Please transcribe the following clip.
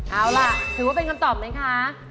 เอาล่ะถือว่าเป็นคำตอบไหมคะ